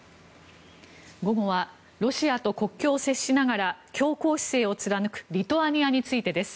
午後はロシアと国境を接しながら強硬姿勢を貫くリトアニアについてです。